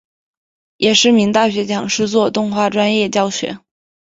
也是名大学讲师做动画专业教学。